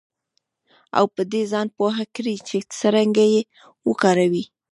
او په دې ځان پوه کړئ چې څرنګه یې وکاروئ